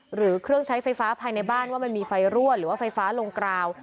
หรือเครื่องใช้ไฟฟ้าภายในบ้านว่ามันมีไฟรั่วหรือว่าไฟฟ้าลงกราว